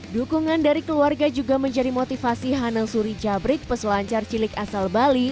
dukungan dari keluarga juga menjadi motivasi hanang suri jabrik peselancar cilik asal bali